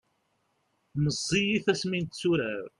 meẓẓiyit asmi netturar